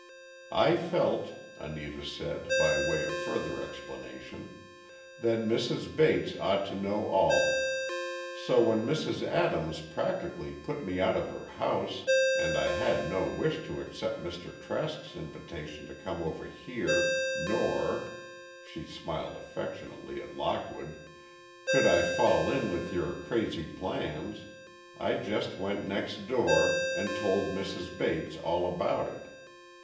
"I felt," Anita said, by way of further explanation, "that Mrs. Bates ought to know all. So, when Mrs. Adams practically put me out of her house, and I had no wish to accept Mr. Trask's invitation to come over here, nor," she smiled affectionately at Lockwood, "could I fall in with your crazy plans—I just went next door and told Mrs. Bates all about it.